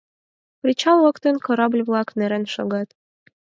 Причал воктен корабль-влак нерен шогат.